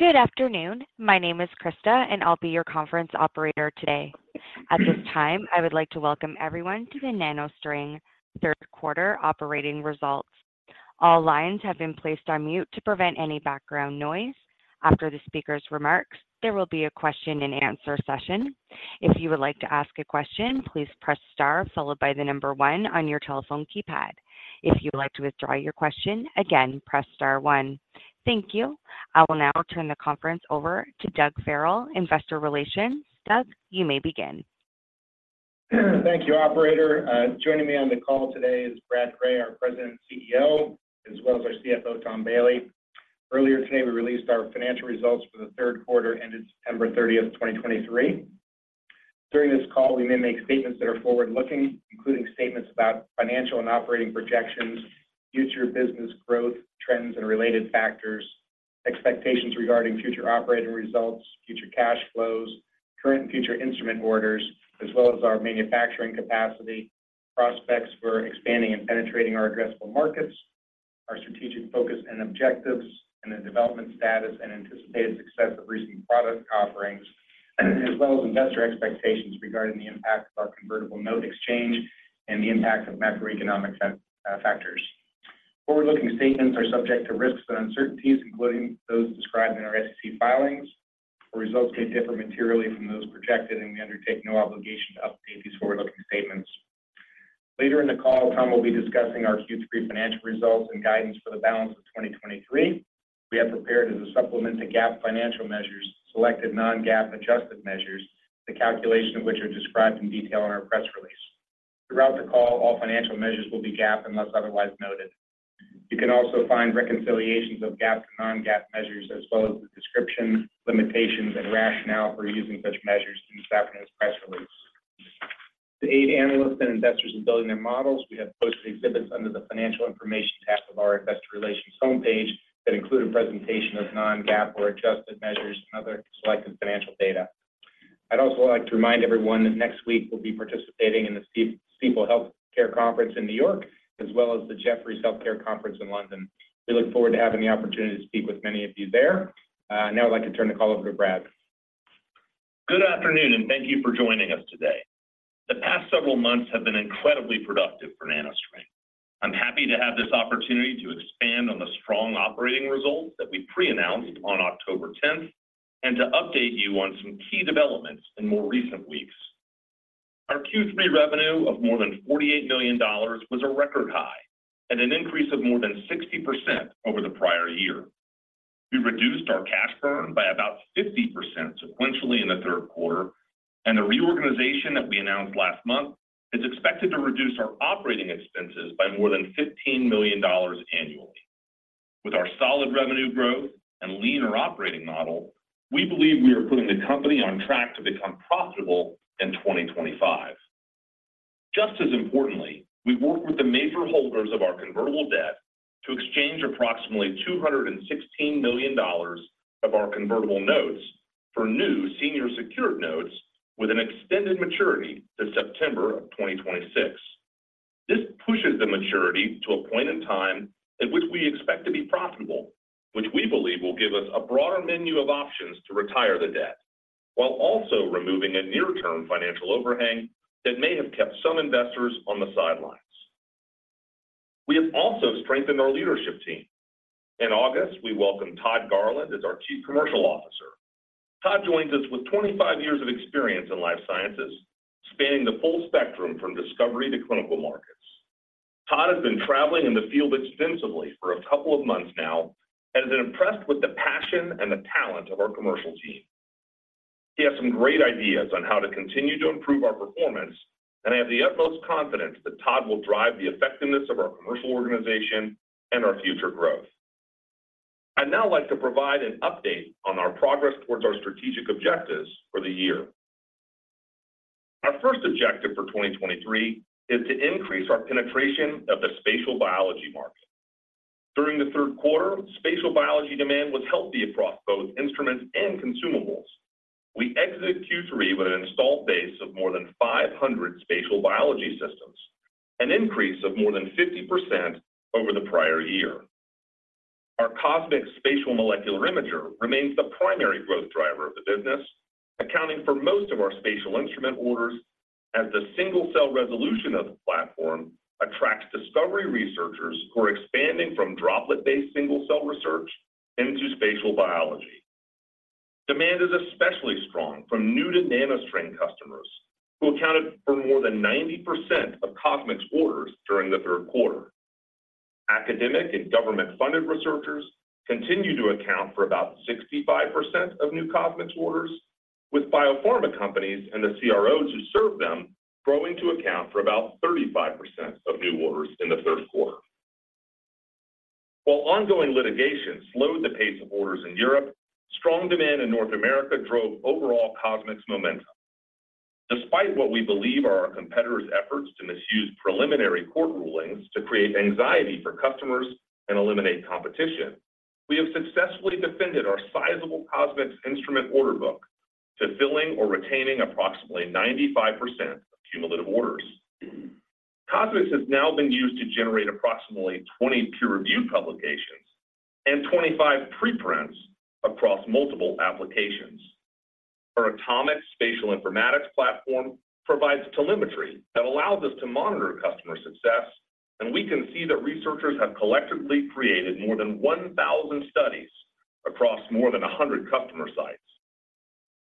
Good afternoon. My name is Krista, and I'll be your conference operator today. At this time, I would like to welcome everyone to the NanoString Q3 Operating Results. All lines have been placed on mute to prevent any background noise. After the speaker's remarks, there will be a question-and-answer session. If you would like to ask a question, please press Star followed by the number one on your telephone keypad. If you'd like to withdraw your question, again, press Star one. Thank you. I will now turn the conference over to Doug Farrell, Investor Relations. Doug, you may begin. Thank you, operator. Joining me on the call today is Brad Gray, our President and CEO, as well as our CFO, Tom Bailey. Earlier today, we released our financial results for the Q3, ending September 30, 2023. During this call, we may make statements that are forward-looking, including statements about financial and operating projections, future business growth, trends and related factors, expectations regarding future operating results, future cash flows, current and future instrument orders, as well as our manufacturing capacity, prospects for expanding and penetrating our addressable markets, our strategic focus and objectives, and the development status and anticipated success of recent product offerings, as well as investor expectations regarding the impact of our convertible note exchange and the impact of macroeconomic factors. Forward-looking statements are subject to risks and uncertainties, including those described in our SEC filings. Our results may differ materially from those projected, and we undertake no obligation to update these forward-looking statements. Later in the call, Tom will be discussing our Q3 financial results and guidance for the balance of 2023. We have prepared, as a supplement to GAAP financial measures, selected non-GAAP adjusted measures, the calculation of which are described in detail in our press release. Throughout the call, all financial measures will be GAAP unless otherwise noted. You can also find reconciliations of GAAP to non-GAAP measures, as well as the description, limitations, and rationale for using such measures in this afternoon's press release. To aid analysts and investors in building their models, we have posted exhibits under the Financial Information tab of our Investor Relations homepage that include a presentation of non-GAAP or adjusted measures and other selected financial data. I'd also like to remind everyone that next week we'll be participating in the Stifel Healthcare Conference in New York, as well as the Jefferies Healthcare Conference in London. We look forward to having the opportunity to speak with many of you there. Now I'd like to turn the call over to Brad. Good afternoon, and thank you for joining us today. The past several months have been incredibly productive for NanoString. I'm happy to have this opportunity to expand on the strong operating results that we pre-announced on October 10 and to update you on some key developments in more recent weeks. Our Q3 revenue of more than $48 million was a record high and an increase of more than 60% over the prior year. We reduced our cash burn by about 50% sequentially in the Q3, and the reorganization that we announced last month is expected to reduce our operating expenses by more than $15 million annually. With our solid revenue growth and leaner operating model, we believe we are putting the company on track to become profitable in 2025. Just as importantly, we worked with the major holders of our convertible debt to exchange approximately $216 million of our convertible notes for new senior secured notes with an extended maturity to September of 2026. This pushes the maturity to a point in time at which we expect to be profitable, which we believe will give us a broader menu of options to retire the debt, while also removing a near-term financial overhang that may have kept some investors on the sidelines. We have also strengthened our leadership team. In August, we welcomed Todd Garland as our Chief Commercial Officer. Todd joins us with 25 years of experience in life sciences, spanning the full spectrum from discovery to clinical markets. Todd has been traveling in the field extensively for a couple of months now and has been impressed with the passion and the talent of our commercial team. He has some great ideas on how to continue to improve our performance, and I have the utmost confidence that Todd will drive the effectiveness of our commercial organization and our future growth. I'd now like to provide an update on our progress towards our strategic objectives for the year. Our first objective for 2023 is to increase our penetration of the spatial biology market. During the Q3, spatial biology demand was healthy across both instruments and consumables. We exited Q3 with an installed base of more than 500 spatial biology systems, an increase of more than 50% over the prior year. Our CosMx Spatial Molecular Imager remains the primary growth driver of the business, accounting for most of our spatial instrument orders, as the single-cell resolution of the platform attracts discovery researchers who are expanding from droplet-based single-cell research into spatial biology. Demand is especially strong from new to NanoString customers, who accounted for more than 90% of CosMx orders during the Q3. Academic and government-funded researchers continue to account for about 65% of new CosMx orders, with biopharma companies and the CROs who serve them growing to account for about 35% of new orders in the Q3. While ongoing litigation slowed the pace of orders in Europe, strong demand in North America drove overall CosMx momentum. Despite what we believe are our competitors' efforts to misuse preliminary court rulings to create anxiety for customers and eliminate competition, we have successfully defended our sizable CosMx instrument order book, fulfilling or retaining approximately 95% of cumulative orders. CosMx has now been used to generate approximately 20 peer-reviewed publications and 25 preprints across multiple applications. Our AtoMx Spatial Informatics Platform provides telemetry that allows us to monitor customer success, and we can see that researchers have collectively created more than 1,000 studies across more than 100 customer sites.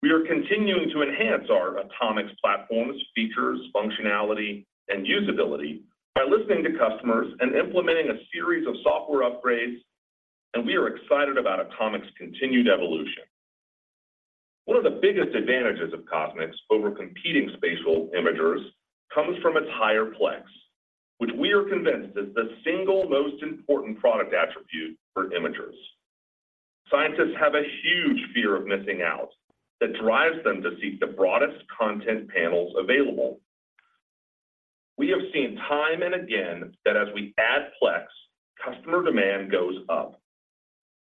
We are continuing to enhance our AtoMx platform's features, functionality, and usability by listening to customers and implementing a series of software upgrades, and we are excited about AtoMx's continued evolution. One of the biggest advantages of CosMx over competing spatial imagers comes from its higher plex, which we are convinced is the single most important product attribute for imagers. Scientists have a huge fear of missing out that drives them to seek the broadest content panels available. We have seen time and again that as we add plex, customer demand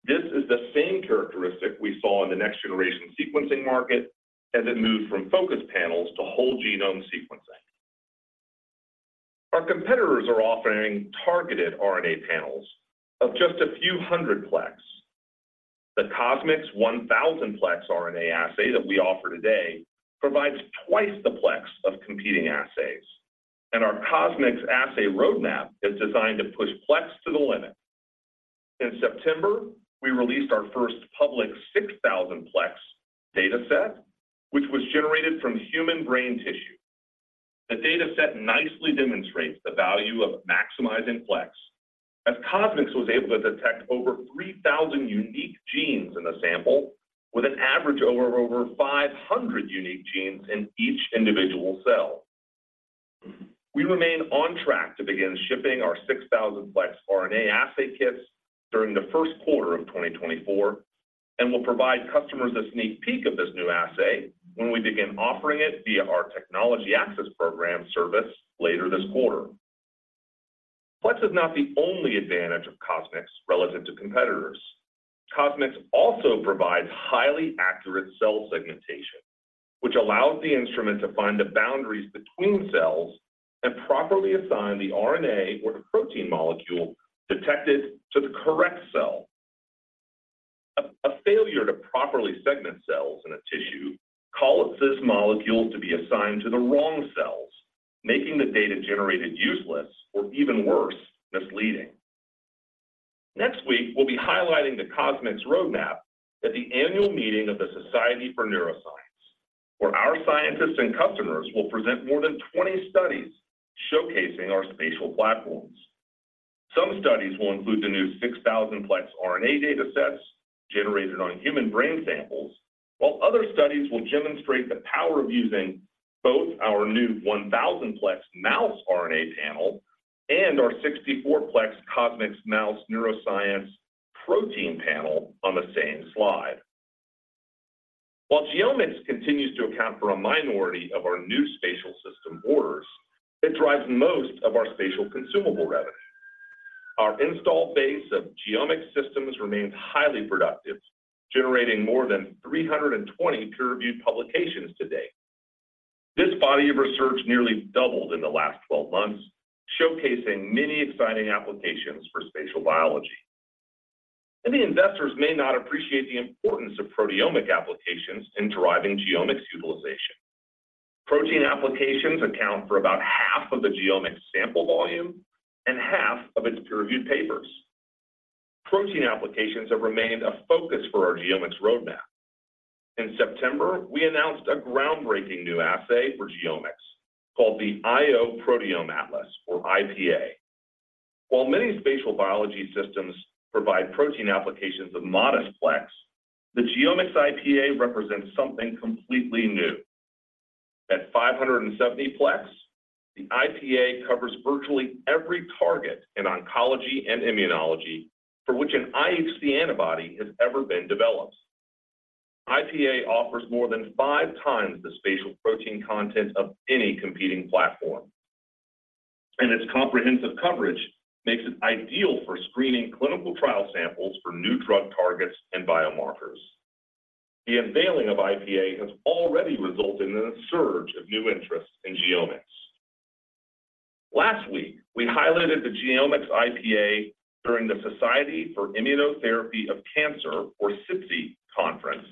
goes up. This is the same characteristic we saw in the next-generation sequencing market as it moved from focus panels to whole genome sequencing. Our competitors are offering targeted RNA panels of just a few hundred plex. The CosMx 1,000-plex RNA assay that we offer today provides twice the plex of competing assays, and our CosMx assay roadmap is designed to push plex to the limit. In September, we released our first public 6,000-plex data set, which was generated from human brain tissue. The data set nicely demonstrates the value of maximizing plex, as CosMx was able to detect over 3,000 unique genes in the sample, with an average of over 500 unique genes in each individual cell. We remain on track to begin shipping our 6,000-plex RNA assay kits during the Q1 of 2024, and we'll provide customers a sneak peek of this new assay when we begin offering it via our Technology Access Program service later this quarter. Plex is not the only advantage of CosMx relative to competitors. CosMx also provides highly accurate cell segmentation, which allows the instrument to find the boundaries between cells and properly assign the RNA or the protein molecule detected to the correct cell. A failure to properly segment cells in a tissue causes molecules to be assigned to the wrong cells, making the data generated useless, or even worse, misleading. Next week, we'll be highlighting the CosMx roadmap at the annual meeting of the Society for Neuroscience, where our scientists and customers will present more than 20 studies showcasing our spatial platforms. Some studies will include the new 6,000-plex RNA data sets generated on human brain samples, while other studies will demonstrate the power of using both our new 1,000-plex Mouse RNA panel and our 64-plex CosMx Mouse Neuroscience protein panel on the same slide. While GeoMx continues to account for a minority of our new spatial system orders, it drives most of our spatial consumable revenue. Our installed base of GeoMx systems remains highly productive, generating more than 320 peer-reviewed publications today. This body of research nearly doubled in the last 12 months, showcasing many exciting applications for spatial biology, and the investors may not appreciate the importance of proteomic applications in driving GeoMx utilization. Protein applications account for about half of the GeoMx sample volume and half of its peer-reviewed papers. Protein applications have remained a focus for our GeoMx roadmap. In September, we announced a groundbreaking new assay for GeoMx, called the IO Proteome Atlas, or IPA. While many spatial biology systems provide protein applications of modest plex, the GeoMx IPA represents something completely new. At 570 plex, the IPA covers virtually every target in oncology and immunology for which an IHC antibody has ever been developed. IPA offers more than five times the spatial protein content of any competing platform, and its comprehensive coverage makes it ideal for screening clinical trial samples for new drug targets and biomarkers. The unveiling of IPA has already resulted in a surge of new interest in GeoMx. Last week, we highlighted the GeoMx IPA during the Society for Immunotherapy of Cancer, or SITC, conference,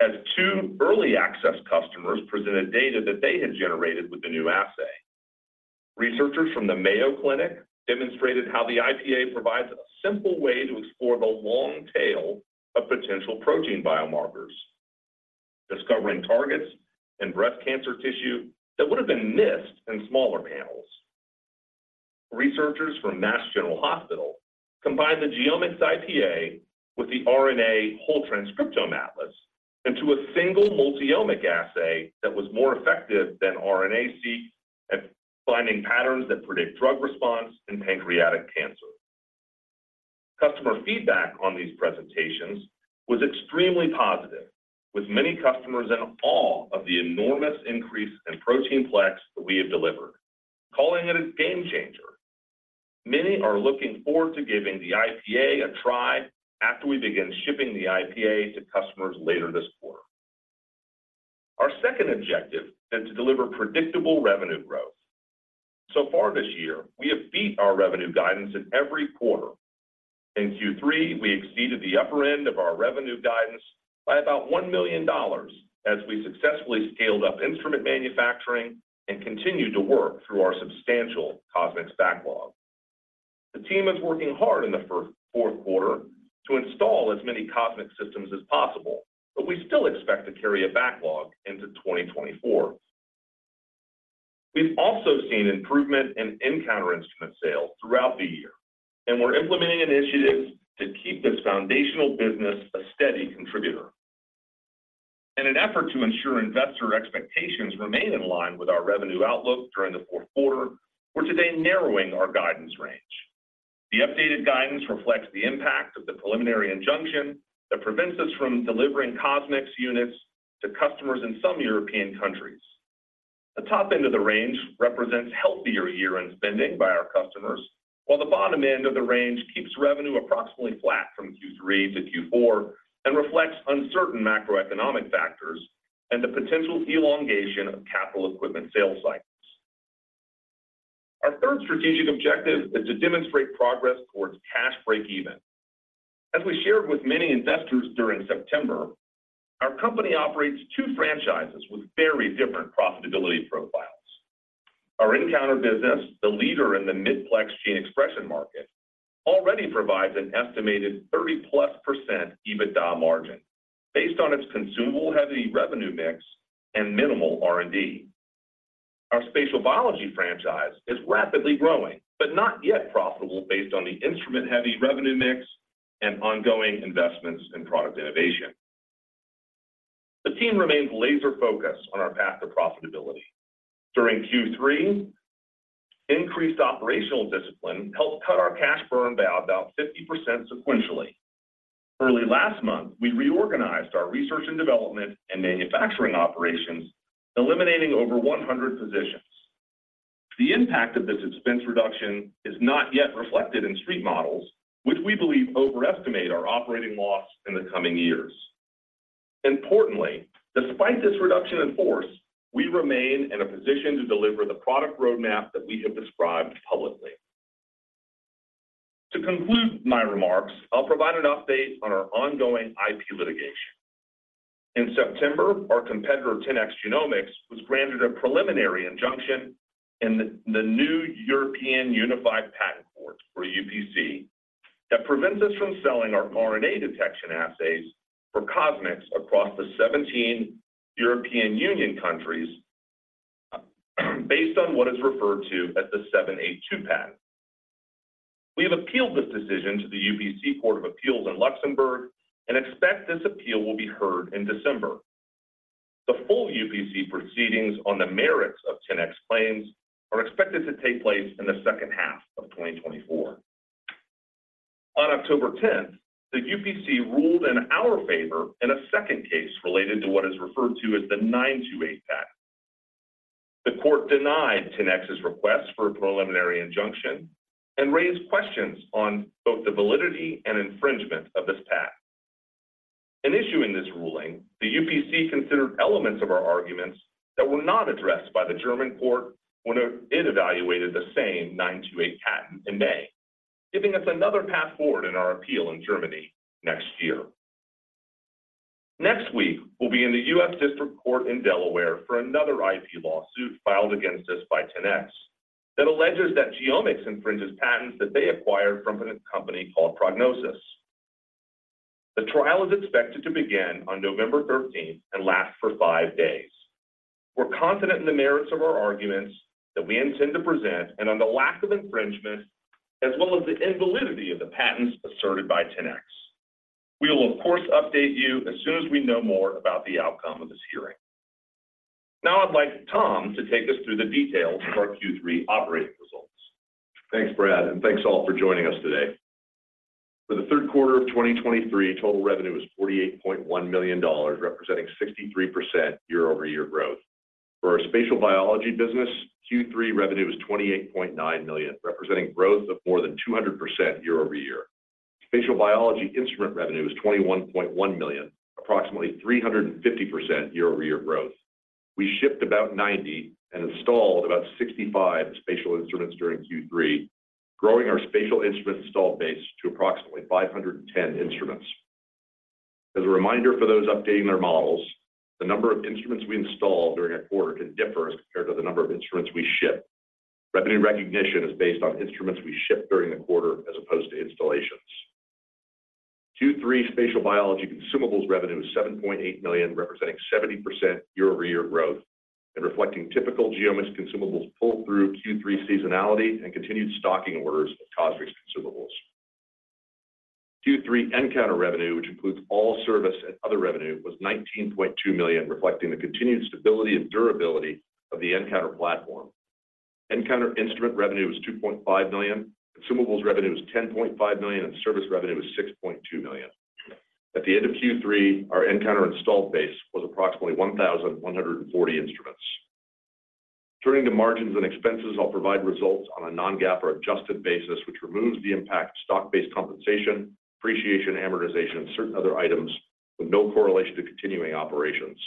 as two early access customers presented data that they had generated with the new assay. Researchers from the Mayo Clinic demonstrated how the IPA provides a simple way to explore the long tail of potential protein biomarkers, discovering targets in breast cancer tissue that would have been missed in smaller panels. Researchers from Mass General Hospital combined the GeoMx IPA with the RNA Whole Transcriptome Atlas into a single multi-omic assay that was more effective than RNA-seq at finding patterns that predict drug response in pancreatic cancer. Customer feedback on these presentations was extremely positive, with many customers in awe of the enormous increase in protein plex that we have delivered, calling it a game changer. Many are looking forward to giving the IPA a try after we begin shipping the IPA to customers later this quarter. Our second objective is to deliver predictable revenue growth. So far this year, we have beat our revenue guidance in every quarter. In Q3, we exceeded the upper end of our revenue guidance by about $1 million as we successfully scaled up instrument manufacturing and continued to work through our substantial CosMx backlog. The team is working hard in the Q4 to install as many CosMx systems as possible, but we still expect to carry a backlog into 2024. We've also seen improvement in nCounter instrument sales throughout the year, and we're implementing initiatives to keep this foundational business a steady contributor. In an effort to ensure investor expectations remain in line with our revenue outlook during the Q4, we're today narrowing our guidance range. The updated guidance reflects the impact of the preliminary injunction that prevents us from delivering CosMx units to customers in some European countries. The top end of the range represents healthier year-end spending by our customers, while the bottom end of the range keeps revenue approximately flat from Q3 to Q4 and reflects uncertain macroeconomic factors and the potential elongation of capital equipment sales cycles. Our third strategic objective is to demonstrate progress towards cash breakeven. As we shared with many investors during September, our company operates two franchises with very different profitability profiles. Our nCounter business, the leader in the midplex gene expression market, already provides an estimated 30+% EBITDA margin based on its consumable, heavy revenue mix and minimal R&D. Our spatial biology franchise is rapidly growing, but not yet profitable based on the instrument-heavy revenue mix and ongoing investments in product innovation. The team remains laser-focused on our path to profitability. During Q3, increased operational discipline helped cut our cash burn by about 50% sequentially. Early last month, we reorganized our research and development and manufacturing operations, eliminating over 100 positions. The impact of this expense reduction is not yet reflected in street models, which we believe overestimate our operating loss in the coming years. Importantly, despite this reduction in force, we remain in a position to deliver the product roadmap that we have described publicly. To conclude my remarks, I'll provide an update on our ongoing IP litigation. In September, our competitor, 10x Genomics, was granted a preliminary injunction in the new European Unified Patent Court, or UPC, that prevents us from selling our RNA detection assays for CosMX across the 17 European Union countries based on what is referred to as the 782 patent. We have appealed this decision to the UPC Court of Appeals in Luxembourg and expect this appeal will be heard in December. The full UPC proceedings on the merits of 10x claims are expected to take place in the second half of 2024. On October 10, the UPC ruled in our favor in a second case related to what is referred to as the 928 patent. The court denied 10x's request for a preliminary injunction and raised questions on both the validity and infringement of this patent. In issuing this ruling, the UPC considered elements of our arguments that were not addressed by the German court when it evaluated the same 928 patent in May, giving us another path forward in our appeal in Germany next year. Next week, we'll be in the U.S. District Court in Delaware for another IP lawsuit filed against us by 10x that alleges that GeoMx infringes patents that they acquired from a company called Prognosys. The trial is expected to begin on November 13 and last for 5 days. We're confident in the merits of our arguments that we intend to present and on the lack of infringement, as well as the invalidity of the patents asserted by 10x. We will, of course, update you as soon as we know more about the outcome of this hearing. Now, I'd like Tom to take us through the details of our Q3 operating results. Thanks, Brad, and thanks all for joining us today. For the Q3 of 2023, total revenue was $48.1 million, representing 63% year-over-year growth. For our spatial biology business, Q3 revenue was $28.9 million, representing growth of more than 200% year-over-year. Spatial biology instrument revenue was $21.1 million, approximately 350% year-over-year growth. We shipped about 90 and installed about 65 spatial instruments during Q3, growing our spatial instrument installed base to approximately 510 instruments. As a reminder for those updating their models, the number of instruments we install during a quarter can differ as compared to the number of instruments we ship. Revenue recognition is based on instruments we ship during the quarter as opposed to installations. Q3 spatial biology consumables revenue is $7.8 million, representing 70% year-over-year growth and reflecting typical GeoMx consumables pull-through Q3 seasonality and continued stocking orders of CosMx consumables. Q3 nCounter revenue, which includes all service and other revenue, was $19.2 million, reflecting the continued stability and durability of the nCounter platform. nCounter instrument revenue was $2.5 million, consumables revenue was $10.5 million, and service revenue was $6.2 million. At the end of Q3, our nCounter installed base was approximately 1,140 instruments. Turning to margins and expenses, I'll provide results on a non-GAAP or adjusted basis, which removes the impact of stock-based compensation, depreciation, amortization, and certain other items with no correlation to continuing operations.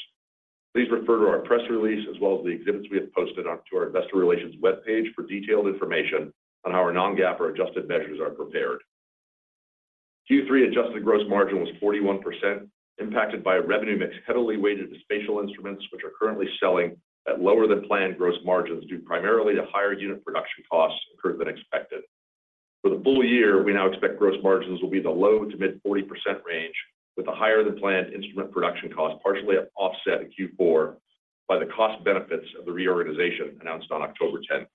Please refer to our press release as well as the exhibits we have posted on to our investor relations webpage for detailed information on how our non-GAAP or adjusted measures are prepared. Q3 adjusted gross margin was 41%, impacted by a revenue mix heavily weighted to spatial instruments, which are currently selling at lower than planned gross margins, due primarily to higher unit production costs occurred than expected. For the full year, we now expect gross margins will be the low- to mid-40% range, with a higher than planned instrument production cost, partially offset in Q4 by the cost benefits of the reorganization announced on October 10.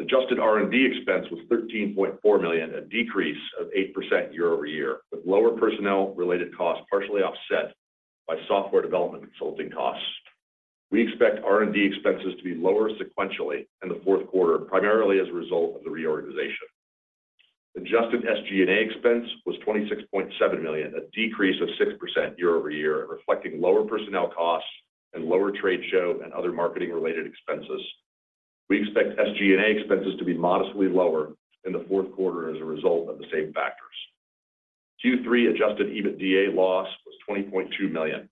Adjusted R&D expense was $13.4 million, a decrease of 8% year-over-year, with lower personnel-related costs partially offset by software development consulting costs. We expect R&D expenses to be lower sequentially in the Q4, primarily as a result of the reorganization. Adjusted SG&A expense was $26.7 million, a decrease of 6% year-over-year, reflecting lower personnel costs and lower trade show and other marketing-related expenses. We expect SG&A expenses to be modestly lower in the Q4 as a result of the same factors. Q3 adjusted EBITDA loss was $20.2 million.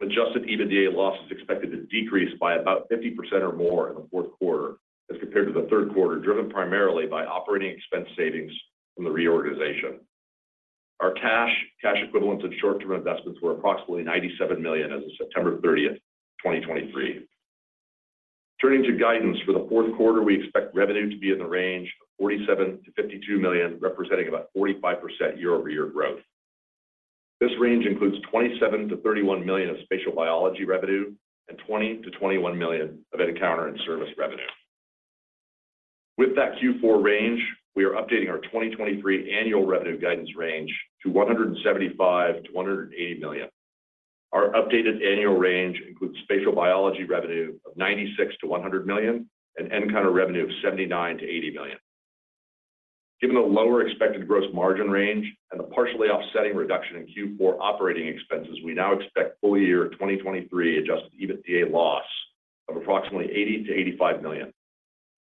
Adjusted EBITDA loss is expected to decrease by about 50% or more in the Q4 as compared to the Q3, driven primarily by operating expense savings from the reorganization. Our cash, cash equivalents and short-term investments were approximately $97 million as of September 30, 2023. Turning to guidance, for the Q4, we expect revenue to be in the range of $47-$52 million, representing about 45% year-over-year growth. This range includes $27-$31 million of spatial biology revenue and $20-$21 million of nCounter and service revenue. With that Q4 range, we are updating our 2023 annual revenue guidance range to $175-$180 million. Our updated annual range includes spatial biology revenue of $96-$100 million and nCounter revenue of $79-$80 million. Given the lower expected gross margin range and the partially offsetting reduction in Q4 operating expenses, we now expect full year 2023 adjusted EBITDA loss of approximately $80-$85 million.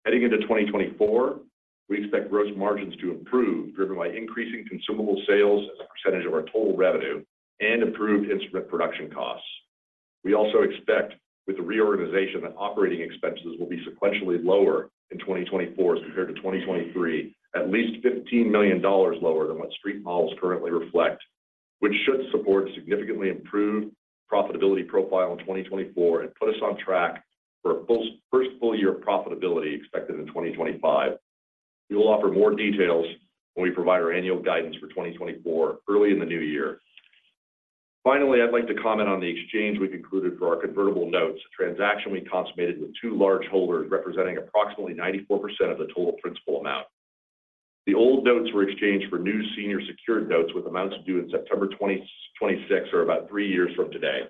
Heading into 2024, we expect gross margins to improve, driven by increasing consumable sales as a percentage of our total revenue and improved instrument production costs. We also expect, with the reorganization, that operating expenses will be sequentially lower in 2024 as compared to 2023, at least $15 million lower than what Street models currently reflect, which should support a significantly improved profitability profile in 2024 and put us on track for a full year of profitability expected in 2025. We will offer more details when we provide our annual guidance for 2024 early in the new year. Finally, I'd like to comment on the exchange we've concluded for our convertible notes, a transaction we consummated with two large holders, representing approximately 94% of the total principal amount. The old notes were exchanged for new senior secured notes, with amounts due in September 2026, or about 3 years from today.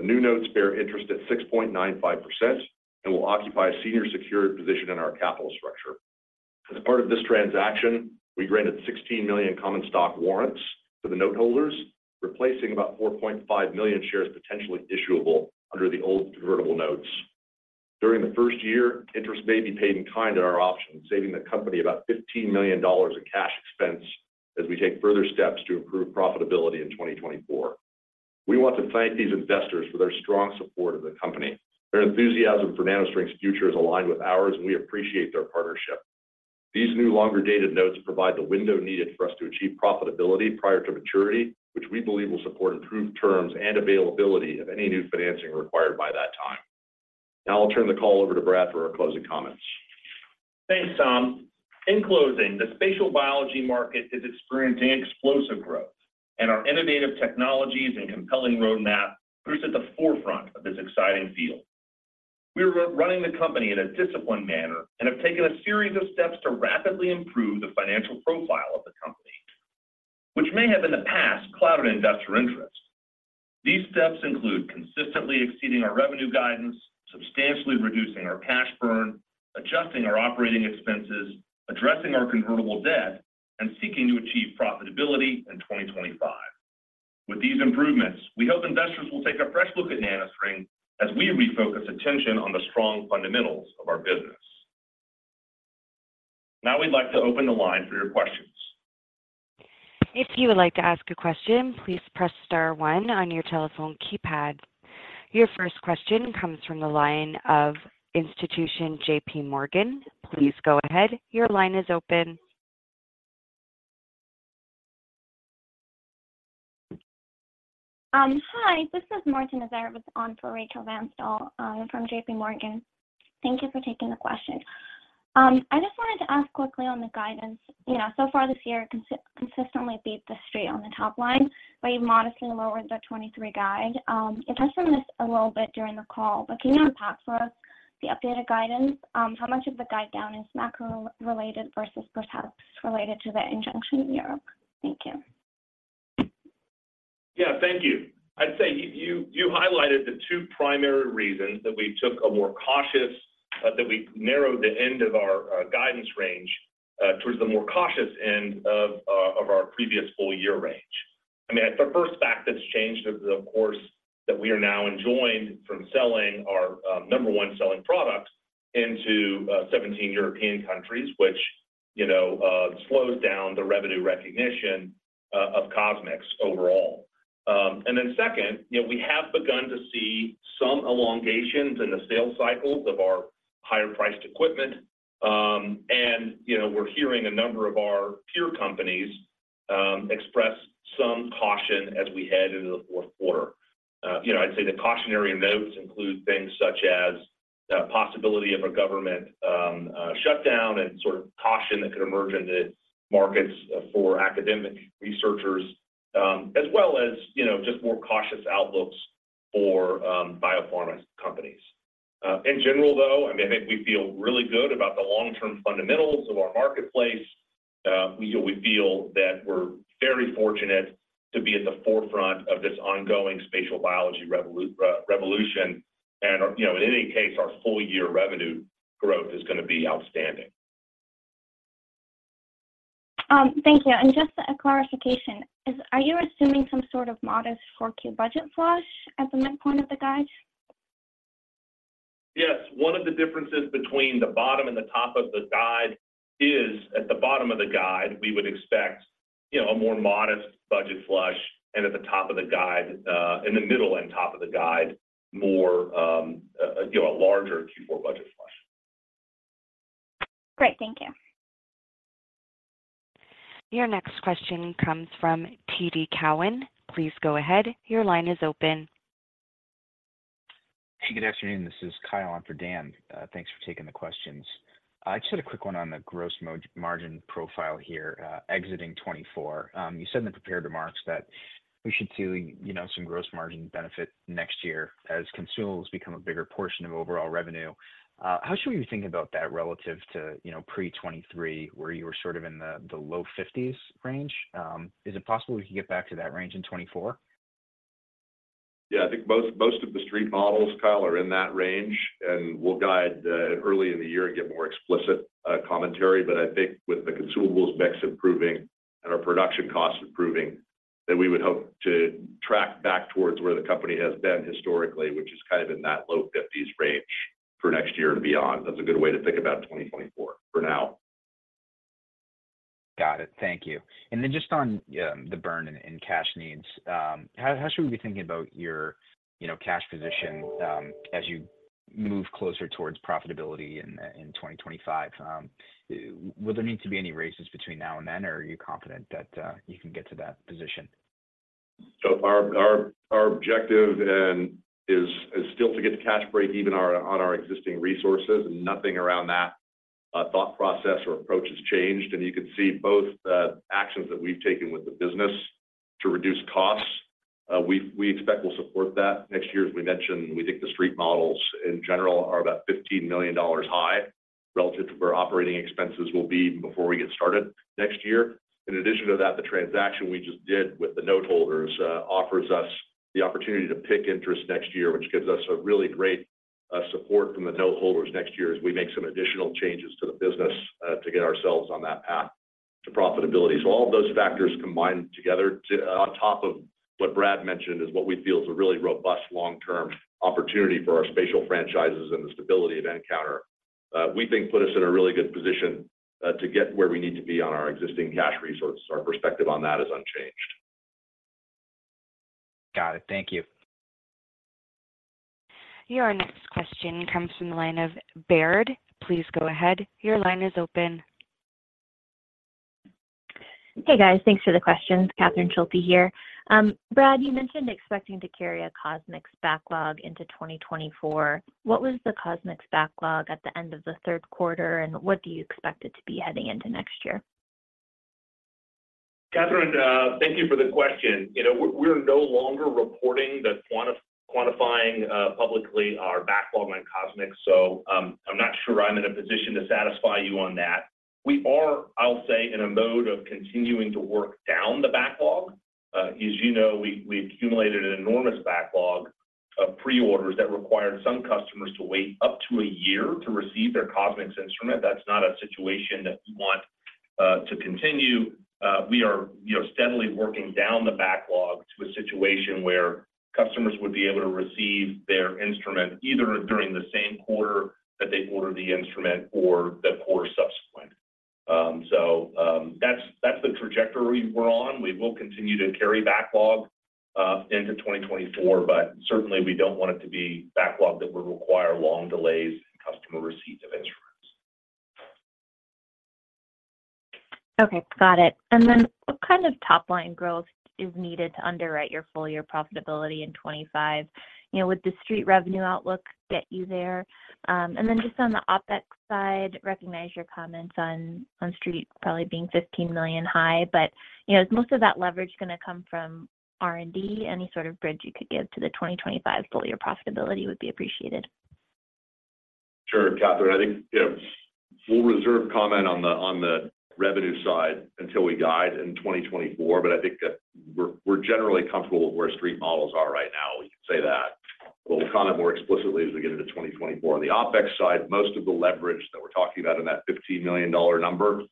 The new notes bear interest at 6.95% and will occupy a senior secured position in our capital structure. As part of this transaction, we granted 16 million common stock warrants to the noteholders, replacing about 4.5 million shares potentially issuable under the old convertible notes. During the first year, interest may be paid in kind at our option, saving the company about $15 million in cash expense as we take further steps to improve profitability in 2024. We want to thank these investors for their strong support of the company. Their enthusiasm for NanoString's future is aligned with ours, and we appreciate their partnership. These new longer-dated notes provide the window needed for us to achieve profitability prior to maturity, which we believe will support improved terms and availability of any new financing required by that time. Now I'll turn the call over to Brad for our closing comments. Thanks, Tom. In closing, the spatial biology market is experiencing explosive growth, and our innovative technologies and compelling roadmap puts us at the forefront of this exciting field. We are running the company in a disciplined manner and have taken a series of steps to rapidly improve the financial profile of the company, which may have in the past clouded investor interest. These steps include consistently exceeding our revenue guidance, substantially reducing our cash burn, adjusting our operating expenses, addressing our convertible debt, and seeking to achieve profitability in 2025. With these improvements, we hope investors will take a fresh look at NanoString as we refocus attention on the strong fundamentals of our business. Now we'd like to open the line for your questions. If you would like to ask a question, please press star one on your telephone keypad. Your first question comes from the line of Institution JP Morgan. Please go ahead. Your line is open. Hi, this is Martha Nazha with on for Rachel Vatnsdal from JP Morgan. Thank you for taking the question. I just wanted to ask quickly on the guidance. You know, so far this year, consistently beat the street on the top line, but you modestly lowered the 2023 guide. You touched on this a little bit during the call, but can you unpack for us the updated guidance? How much of the guide down is macro related versus perhaps related to the injunction in Europe? Thank you. Yeah, thank you. I'd say you highlighted the two primary reasons that we narrowed the end of our guidance range towards the more cautious end of our previous full year range.... I mean, the first fact that's changed is, of course, that we are now enjoined from selling our number one selling product into 17 European countries, which, you know, slows down the revenue recognition of CosMx overall. And then second, you know, we have begun to see some elongations in the sales cycles of our higher-priced equipment. And, you know, we're hearing a number of our peer companies express some caution as we head into the Q4. You know, I'd say the cautionary notes include things such as the possibility of a government shutdown and sort of caution that could emerge in the markets for academic researchers, as well as, you know, just more cautious outlooks for biopharma companies. In general, though, I mean, I think we feel really good about the long-term fundamentals of our marketplace. We, we feel that we're very fortunate to be at the forefront of this ongoing spatial biology revolution, and, you know, in any case, our full-year revenue growth is going to be outstanding. Thank you, and just a clarification. Are you assuming some sort of modest 4Q budget flush at the midpoint of the guide? Yes. One of the differences between the bottom and the top of the guide is, at the bottom of the guide, we would expect, you know, a more modest budget flush, and at the top of the guide, in the middle and top of the guide, more, you know, a larger Q4 budget flush. Great. Thank you. Your next question comes from TD Cowen. Please go ahead. Your line is open. Hey, good afternoon. This is Kyle on for Dan. Thanks for taking the questions. I just had a quick one on the gross margin profile here, exiting 2024. You said in the prepared remarks that we should see, you know, some gross margin benefit next year as consumables become a bigger portion of overall revenue. How should we think about that relative to, you know, pre-2023, where you were sort of in the low 50s% range? Is it possible we can get back to that range in 2024? Yeah, I think most, most of the street models, Kyle, are in that range, and we'll guide early in the year and give more explicit commentary. But I think with the consumables mix improving and our production costs improving, that we would hope to track back towards where the company has been historically, which is kind of in that low fifties range for next year and beyond. That's a good way to think about 2024 for now. Got it. Thank you. Then just on the burn and cash needs, how should we be thinking about your, you know, cash position as you move closer towards profitability in 2025? Will there need to be any raises between now and then, or are you confident that you can get to that position? Our objective and is still to get to cash break even on our existing resources, and nothing around that thought process or approach has changed. You can see both the actions that we've taken with the business to reduce costs. We expect we'll support that next year. As we mentioned, we think the street models in general are about $15 million high relative to where operating expenses will be before we get started next year. In addition to that, the transaction we just did with the note holders offers us the opportunity to PIK interest next year, which gives us a really great support from the note holders next year as we make some additional changes to the business to get ourselves on that path to profitability. So all of those factors combined together to, on top of what Brad mentioned, is what we feel is a really robust long-term opportunity for our spatial franchises and the stability of nCounter. We think put us in a really good position to get where we need to be on our existing cash resources. Our perspective on that is unchanged. Got it. Thank you. Your next question comes from the line of Baird. Please go ahead. Your line is open. Hey, guys. Thanks for the questions. Catherine Schulte here. Brad, you mentioned expecting to carry a CosMx backlog into 2024. What was the CosMx backlog at the end of the Q3, and what do you expect it to be heading into next year? Catherine, thank you for the question. You know, we're, we're no longer reporting the quantifying publicly our backlog on CosMx, so, I'm not sure I'm in a position to satisfy you on that. We are, I'll say, in a mode of continuing to work down the backlog. As you know, we, we accumulated an enormous backlog of pre-orders that required some customers to wait up to a year to receive their CosMx instrument. That's not a situation that we want to continue. We are, you know, steadily working down the backlog to a situation where customers would be able to receive their instrument either during the same quarter that they ordered the instrument or the quarter subsequent. So, that's, that's the trajectory we're on. We will continue to carry backlog into 2024, but certainly we don't want it to be backlog that will require long delays in customer receipt of instruments. Okay, got it. And then what kind of top-line growth is needed to underwrite your full-year profitability in 2025? You know, would the street revenue outlook get you there? And then just on the OpEx side, recognize your comments on, on street probably being $15 million high, but, you know, is most of that leverage going to come from R&D? Any sort of bridge you could give to the 2025 full-year profitability would be appreciated. Sure, Catherine. I think, you know, we'll reserve comment on the, on the revenue side until we guide in 2024, but I think that we're, we're generally comfortable with where street models are right now. We can say that. We'll comment more explicitly as we get into 2024. On the OpEx side, most of the leverage that we're talking about in that $15 million number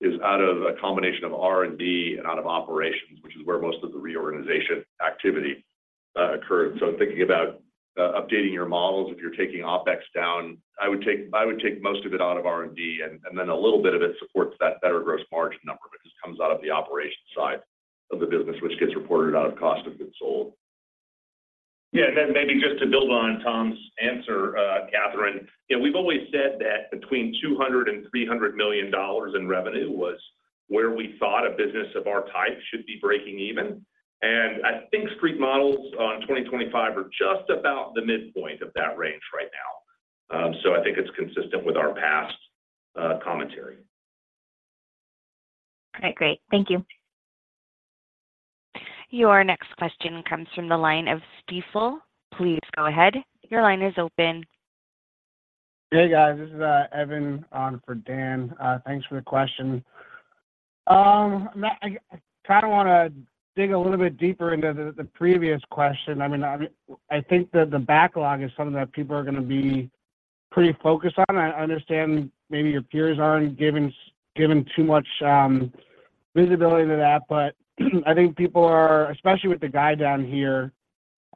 is out of a combination of R&D and out of operations, which is where most of the reorganization activity occurred. So thinking about updating your models, if you're taking OpEx down, I would take, I would take most of it out of R&D, and, and then a little bit of it supports that better gross margin number, which just comes out of the operations side of the business, which gets reported out of cost of goods sold. Yeah, and then maybe just to build on Tom's answer, Catherine, you know, we've always said that between $200 million and $300 million in revenue was where we thought a business of our type should be breaking even. And I think street models on 2025 are just about the midpoint of that range right now. So I think it's consistent with our past commentary. All right, great. Thank you. Your next question comes from the line of Stifel. Please go ahead. Your line is open. Hey, guys, this is Evan on for Dan. Thanks for the question. I kind of want to dig a little bit deeper into the previous question. I mean, I think that the backlog is something that people are going to be pretty focused on. I understand maybe your peers aren't giving too much visibility to that, but I think people are... Especially with the guide down here,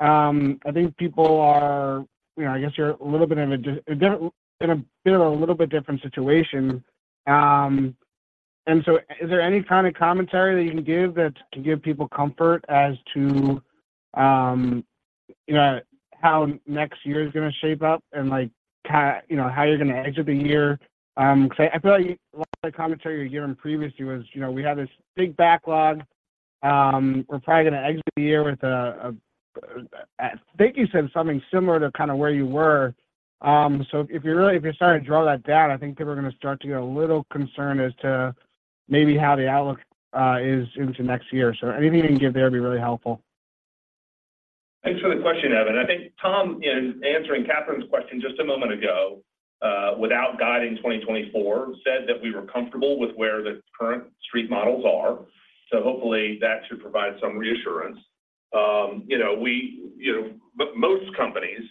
I think people are, you know, I guess you're in a little bit different situation. And so is there any kind of commentary that you can give that can give people comfort as to, you know, how next year is going to shape up and, like, you know, how you're going to exit the year? Because I feel like a lot of the commentary a year on previously was, you know, we have this big backlog, we're probably going to exit the year with a, I think you said something similar to kind of where you were. So if you're starting to draw that down, I think people are going to start to get a little concerned as to maybe how the outlook is into next year. So anything you can give there would be really helpful. Thanks for the question, Evan. I think Tom, in answering Catherine's question just a moment ago, without guiding 2024, said that we were comfortable with where the current street models are. So hopefully that should provide some reassurance. You know, we, you know, most companies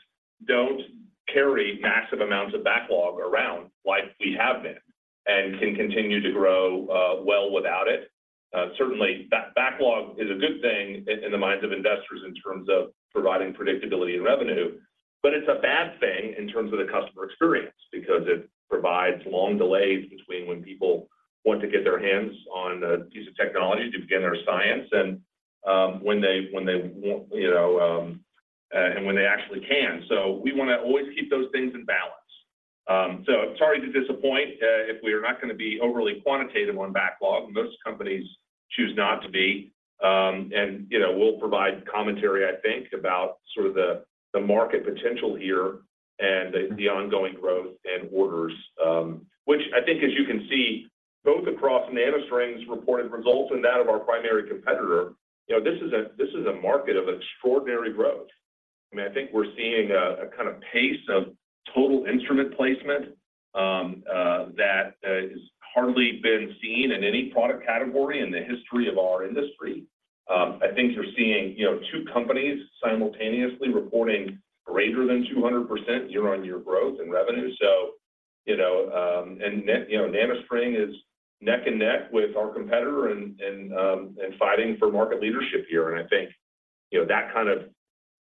don't carry massive amounts of backlog around like we have been and can continue to grow, well without it. Certainly, backlog is a good thing in the minds of investors in terms of providing predictability and revenue, but it's a bad thing in terms of the customer experience, because it provides long delays between when people want to get their hands on a piece of technology to begin their science and, when they, when they want, you know, and when they actually can. So we want to always keep those things in balance. So I'm sorry to disappoint if we are not going to be overly quantitative on backlog. Most companies choose not to be. And, you know, we'll provide commentary, I think, about sort of the market potential here and the ongoing growth and orders, which I think, as you can see, both across NanoString's reported results and that of our primary competitor, you know, this is a market of extraordinary growth. I mean, I think we're seeing a kind of pace of total instrument placement that is hardly been seen in any product category in the history of our industry. I think you're seeing, you know, two companies simultaneously reporting greater than 200% year-on-year growth in revenue. So, you know, and NanoString is neck and neck with our competitor and fighting for market leadership here. And I think, you know, that kind of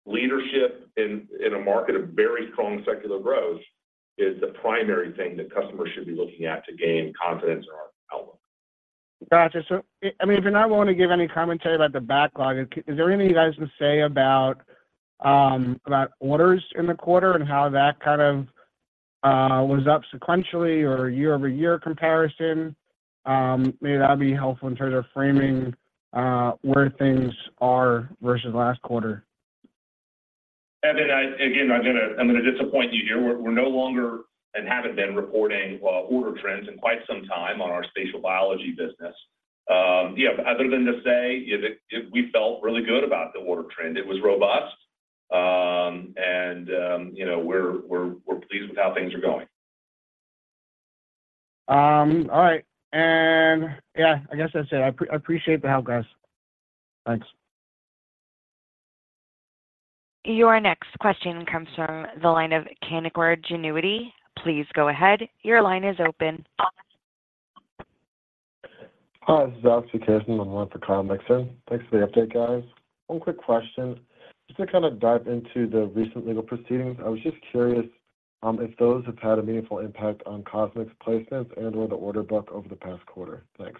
leadership in a market of very strong secular growth is the primary thing that customers should be looking at to gain confidence in our outlook. Gotcha. So, I mean, if you're not willing to give any commentary about the backlog, is there anything you guys can say about, about orders in the quarter and how that kind of was up sequentially or year-over-year comparison? Maybe that'd be helpful in terms of framing where things are versus last quarter. Evan, I, again, I'm going to, I'm going to disappoint you here. We're, we're no longer and haven't been reporting order trends in quite some time on our spatial biology business. Yeah, other than to say, yeah, we felt really good about the order trend. It was robust, and, you know, we're, we're, we're pleased with how things are going. All right. And yeah, I guess that's it. I appreciate the help, guys. Thanks. Your next question comes from the line of Canaccord Genuity. Please go ahead. Your line is open. Hi, this is Alex McKesson. I'm on for Kyle Mixon. Thanks for the update, guys. One quick question, just to kind of dive into the recent legal proceedings. I was just curious if those have had a meaningful impact on CosMx placements and/or the order book over the past quarter? Thanks.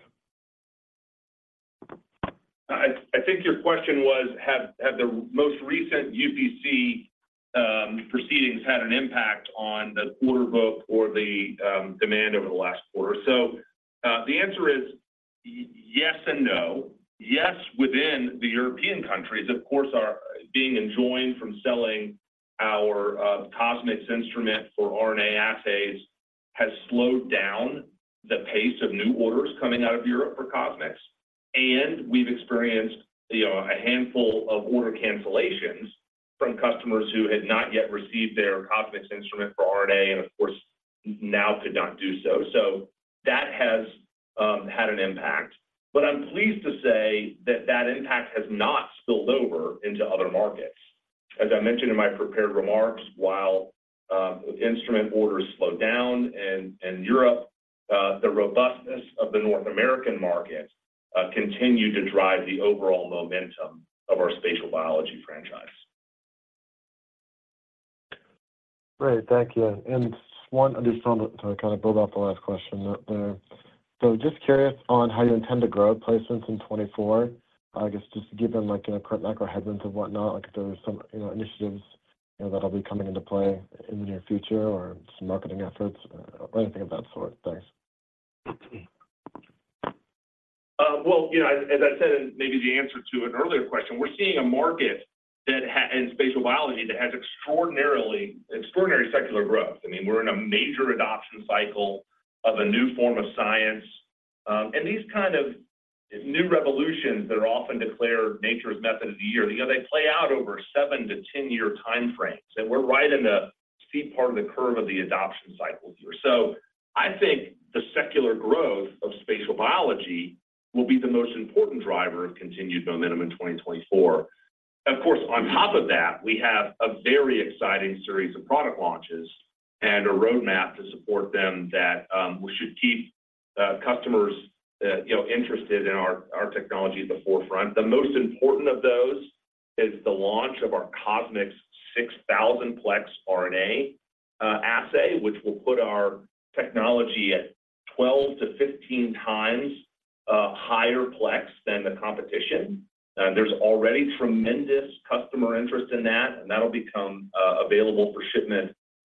I think your question was, have the most recent UPC proceedings had an impact on the order book or the demand over the last quarter? So, the answer is yes and no. Yes, within the European countries, of course, are being enjoined from selling our CosMx instrument for RNA assays has slowed down the pace of new orders coming out of Europe for CosMx, and we've experienced, you know, a handful of order cancellations from customers who had not yet received their CosMx instrument for RNA. And of course now could not do so. So that has had an impact. But I'm pleased to say that that impact has not spilled over into other markets. As I mentioned in my prepared remarks, while instrument orders slowed down in Europe, the robustness of the North American market continued to drive the overall momentum of our spatial biology franchise. Great, thank you. And one just to kind of build off the last question there. So just curious on how you intend to grow placements in 2024. I guess just given, like, current macro headwinds and whatnot, like if there are some, you know, initiatives, you know, that'll be coming into play in the near future, or some marketing efforts, or anything of that sort. Thanks. Well, you know, as I said, and maybe the answer to an earlier question, we're seeing a market in spatial biology that has extraordinarily extraordinary secular growth. I mean, we're in a major adoption cycle of a new form of science. These kind of new revolutions that are often declared Nature's method of the year, you know, they play out over 7-10-year time frames, and we're right in the steep part of the curve of the adoption cycle here. So I think the secular growth of spatial biology will be the most important driver of continued momentum in 2024. Of course, on top of that, we have a very exciting series of product launches and a roadmap to support them that should keep customers, you know, interested in our technology at the forefront. The most important of those is the launch of our CosMx 6,000-plex RNA assay, which will put our technology at 12-15 times higher plex than the competition. There's already tremendous customer interest in that, and that'll become available for shipment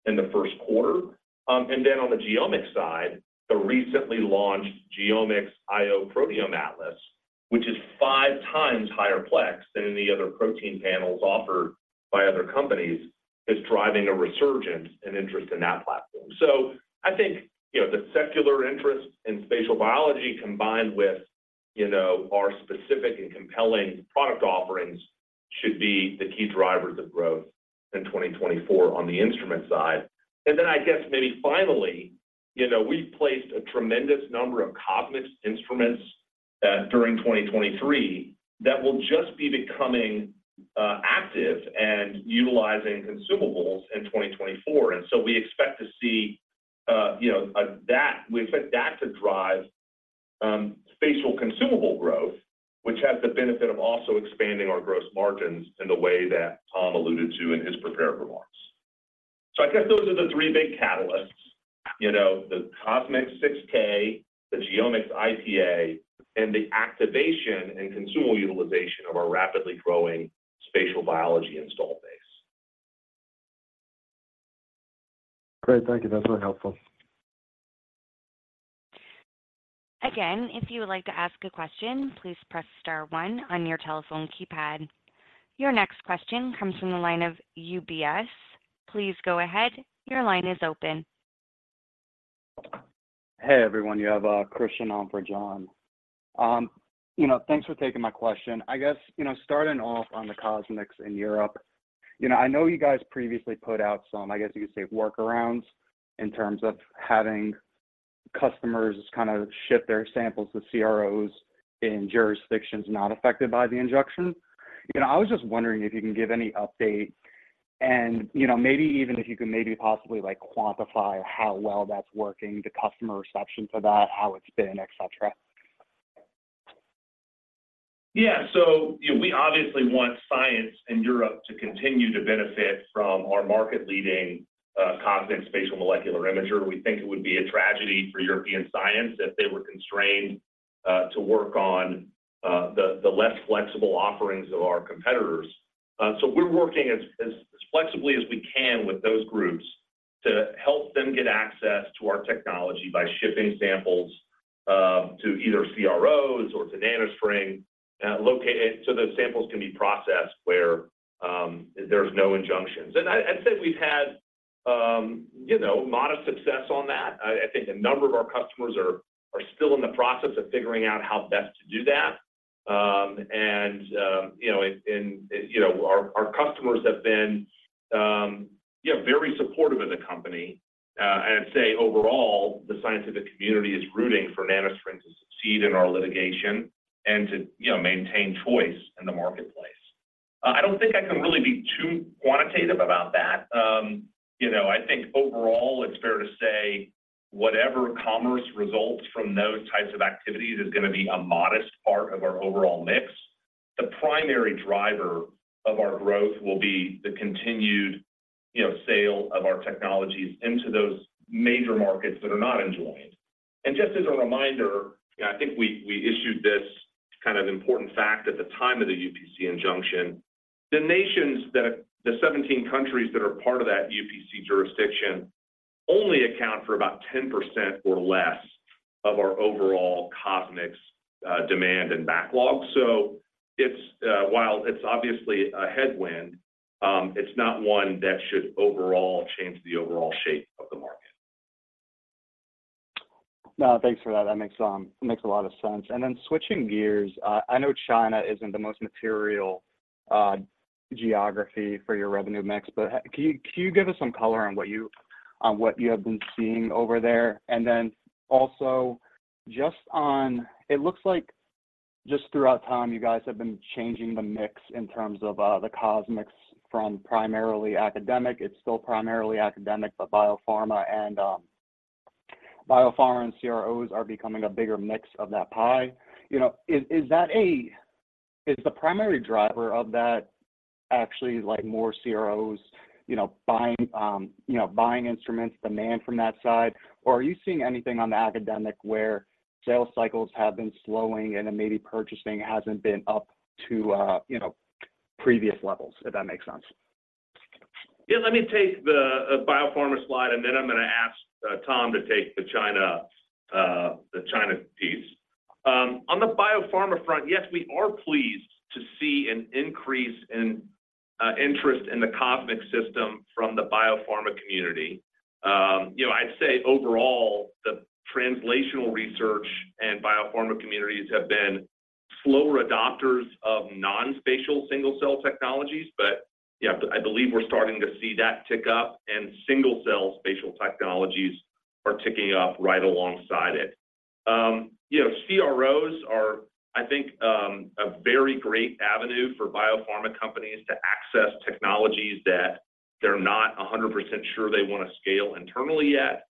in the Q1. And then on the genomics side, the recently launched GeoMx IO Proteome Atlas, which is 5 times higher plex than any other protein panels offered by other companies, is driving a resurgence and interest in that platform. So I think, you know, the secular interest in spatial biology, combined with, you know, our specific and compelling product offerings, should be the key drivers of growth in 2024 on the instrument side. Then I guess maybe finally, you know, we've placed a tremendous number of CosMx instruments during 2023 that will just be becoming active and utilizing consumables in 2024. And so we expect to see, you know, that—we expect that to drive spatial consumable growth, which has the benefit of also expanding our gross margins in the way that Tom alluded to in his prepared remarks. So I guess those are the three big catalysts, you know, the CosMx 6K, the GeoMx IPA, and the activation and consumable utilization of our rapidly growing spatial biology install base. Great. Thank you. That's really helpful. Again, if you would like to ask a question, please press star one on your telephone keypad. Your next question comes from the line of UBS. Please go ahead. Your line is open. Hey, everyone, you have Christian on for John. You know, thanks for taking my question. I guess, you know, starting off on the CosMx in Europe, you know, I know you guys previously put out some, I guess you could say, workarounds in terms of having customers kind of ship their samples to CROs in jurisdictions not affected by the injunction. You know, I was just wondering if you can give any update and, you know, maybe even if you can maybe possibly, like, quantify how well that's working, the customer reception to that, how it's been, etc. Yeah. So, you know, we obviously want science in Europe to continue to benefit from our market-leading CosMx Spatial Molecular Imager. We think it would be a tragedy for European science if they were constrained to work on the less flexible offerings of our competitors. So we're working as flexibly as we can with those groups to help them get access to our technology by shipping samples to either CROs or to NanoString located, so those samples can be processed where there's no injunctions. And I'd say we've had, you know, modest success on that. I think a number of our customers are still in the process of figuring out how best to do that. And, you know, our customers have been, yeah, very supportive of the company. And I'd say overall, the scientific community is rooting for NanoString to succeed in our litigation and to, you know, maintain choice in the marketplace. I don't think I can really be too quantitative about that. You know, I think overall it's fair to say whatever commerce results from those types of activities is gonna be a modest part of our overall mix. The primary driver of our growth will be the continued, you know, sale of our technologies into those major markets that are not enjoined. And just as a reminder, I think we, we issued this kind of important fact at the time of the UPC injunction. The nations that... the 17 countries that are part of that UPC jurisdiction only account for about 10% or less of our overall CosMx, demand and backlog. So it's while it's obviously a headwind, it's not one that should overall change the overall shape of the market. ... No, thanks for that. That makes sense. And then switching gears, I know China isn't the most material geography for your revenue mix, but can you give us some color on what you have been seeing over there? And then also just on—it looks like just throughout time, you guys have been changing the mix in terms of the CosMx from primarily academic. It's still primarily academic, but biopharma and biopharma and CROs are becoming a bigger mix of that pie. You know, is the primary driver of that actually like more CROs, you know, buying instruments, demand from that side? Or are you seeing anything on the academic where sales cycles have been slowing and then maybe purchasing hasn't been up to, you know, previous levels, if that makes sense? Yeah, let me take the biopharma slide, and then I'm going to ask Tom to take the China piece. On the biopharma front, yes, we are pleased to see an increase in interest in the CosMX system from the biopharma community. You know, I'd say overall, the translational research and biopharma communities have been slower adopters of non-spatial, single-cell technologies. But, yeah, I believe we're starting to see that tick up, and single-cell spatial technologies are ticking up right alongside it. You know, CROs are, I think, a very great avenue for biopharma companies to access technologies that they're not 100% sure they want to scale internally yet,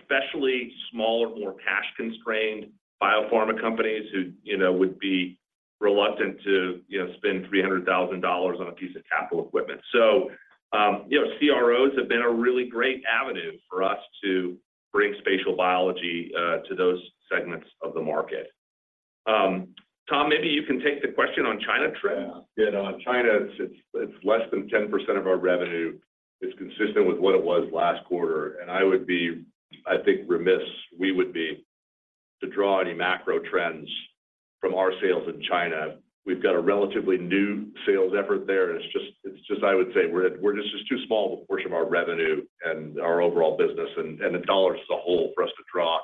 especially smaller, more cash-constrained biopharma companies who, you know, would be reluctant to, you know, spend $300,000 on a piece of capital equipment. You know, CROs have been a really great avenue for us to bring spatial biology to those segments of the market. Tom, maybe you can take the question on China trend. Yeah. Yeah, on China, it's less than 10% of our revenue. It's consistent with what it was last quarter, and I would be, I think, remiss, we would be, to draw any macro trends from our sales in China. We've got a relatively new sales effort there, and it's just, it's just—I would say we're just too small of a portion of our revenue and our overall business and the dollars as a whole for us to draw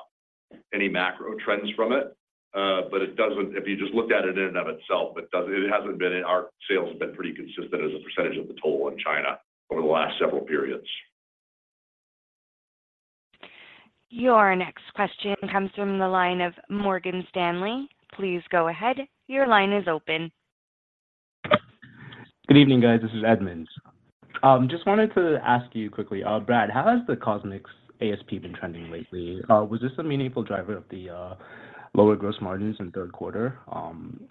any macro trends from it. But it doesn't... If you just look at it in and of itself, it doesn't—it hasn't been our sales have been pretty consistent as a percentage of the total in China over the last several periods. Your next question comes from the line of Morgan Stanley. Please go ahead. Your line is open. Good evening, guys. This is Edmond. Just wanted to ask you quickly, Brad, how has the CosMx ASP been trending lately? Was this a meaningful driver of the lower gross margins in Q3?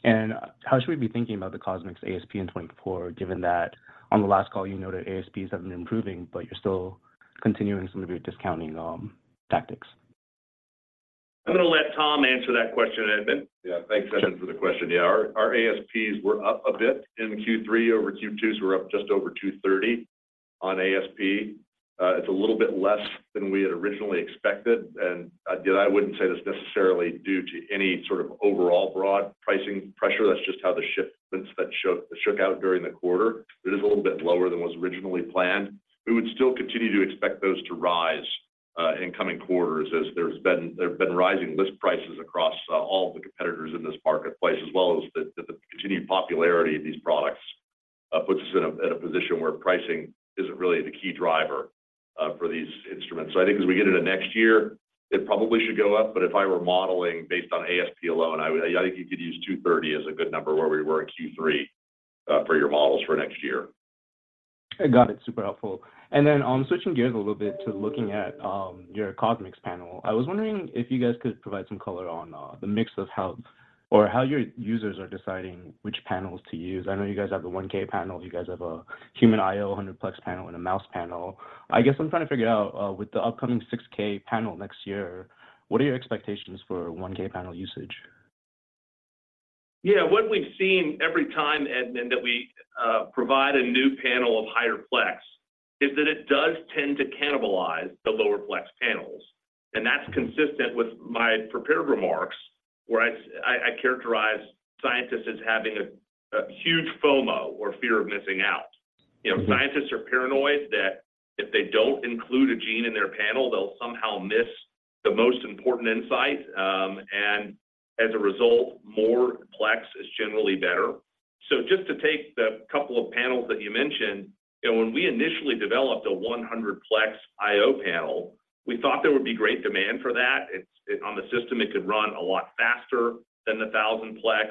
And how should we be thinking about the CosMx ASP in 2024, given that on the last call, you noted ASPs have been improving, but you're still continuing some of your discounting tactics? I'm going to let Tom answer that question, Edmond. Yeah. Thanks, Edmond, for the question. Yeah, our ASPs were up a bit in Q3 over Q2, so we're up just over $230 on ASP. It's a little bit less than we had originally expected, and again, I wouldn't say that's necessarily due to any sort of overall broad pricing pressure. That's just how the shipments that shook out during the quarter. It is a little bit lower than was originally planned. We would still continue to expect those to rise in coming quarters as there have been rising list prices across all the competitors in this marketplace, as well as the continued popularity of these products puts us in a position where pricing isn't really the key driver for these instruments. So I think as we get into next year, it probably should go up, but if I were modeling based on ASP alone, I would—I think you could use $230 as a good number where we were in Q3 for your models for next year. I got it. Super helpful. And then, switching gears a little bit to looking at your CosMx panel, I was wondering if you guys could provide some color on the mix of how or how your users are deciding which panels to use. I know you guys have a 1K panel, you guys have a human IO 100-plex panel, and a mouse panel. I guess I'm trying to figure out, with the upcoming 6K panel next year, what are your expectations for 1K panel usage? Yeah. What we've seen every time, Edmond, that we provide a new panel of higher plex, is that it does tend to cannibalize the lower plex panels. And that's consistent with my prepared remarks, where I characterize scientists as having a huge FOMO or fear of missing out. You know, scientists are paranoid that if they don't include a gene in their panel, they'll somehow miss the most important insight. And as a result, more plex is generally better. So just to take the couple of panels that you mentioned, you know, when we initially developed a 100-plex IO panel, we thought there would be great demand for that. On the system, it could run a lot faster than the 1,000-plex,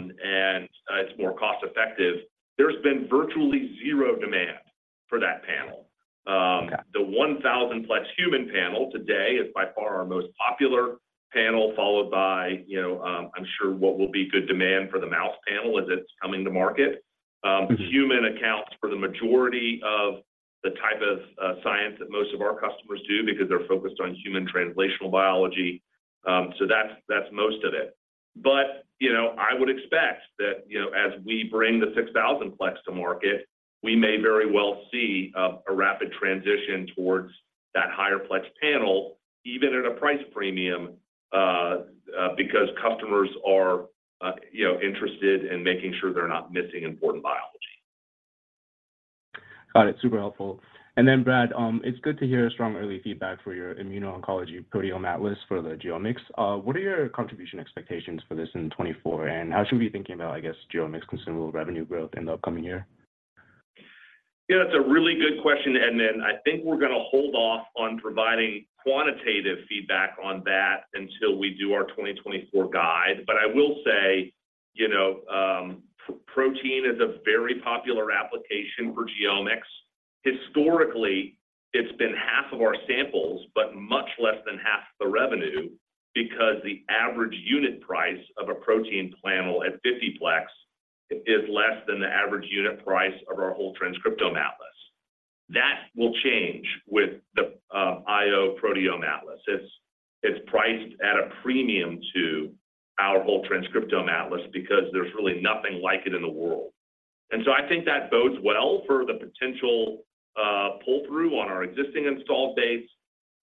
and it's more cost effective. There's been virtually zero demand for that panel. Okay. The 1000-plex human panel today is by far our most popular panel, followed by, you know, I'm sure what will be good demand for the mouse panel as it's coming to market. Mm-hmm. Human accounts for the majority of the type of science that most of our customers do because they're focused on human translational biology. So that's most of it. But, you know, I would expect that, you know, as we bring the 6,000-plex to market, we may very well see a rapid transition towards that higher plex panel, even at a price premium, because customers are, you know, interested in making sure they're not missing important biology.... Got it. Super helpful. And then, Brad, it's good to hear strong early feedback for your Immuno-Oncology Proteome Atlas for the GeoMx. What are your contribution expectations for this in 2024, and how should we be thinking about, I guess, GeoMx consumable revenue growth in the upcoming year? Yeah, that's a really good question, Edmond. I think we're gonna hold off on providing quantitative feedback on that until we do our 2024 guide. But I will say, you know, proteomics is a very popular application for GeoMx. Historically, it's been half of our samples, but much less than half the revenue, because the average unit price of a protein panel at 50 plex is less than the average unit price of our Whole Transcriptome Atlas. That will change with the IO Proteome Atlas. It's, it's priced at a premium to our Whole Transcriptome Atlas because there's really nothing like it in the world. And so I think that bodes well for the potential pull-through on our existing installed base,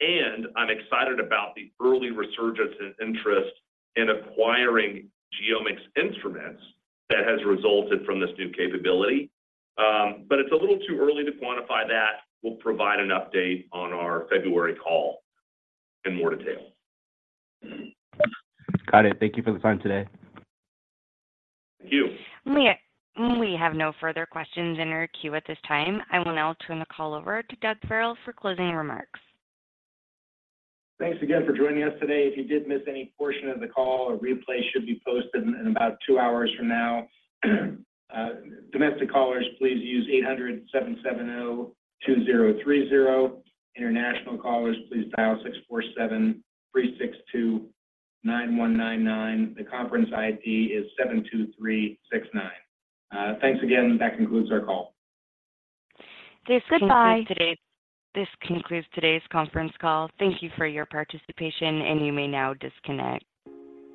and I'm excited about the early resurgence in interest in acquiring GeoMx instruments that has resulted from this new capability. But it's a little too early to quantify that. We'll provide an update on our February call in more detail. Got it. Thank you for the time today. Thank you. We, we have no further questions in our queue at this time. I will now turn the call over to Doug Farrell for closing remarks. Thanks again for joining us today. If you did miss any portion of the call, a replay should be posted in about 2 hours from now. Domestic callers, please use 800-770-2030. International callers, please dial 647-362-9199. The conference ID is 72369. Thanks again. That concludes our call. This goodbye- This concludes today's- This concludes today's conference call. Thank you for your participation, and you may now disconnect.